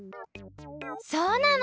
そうなの！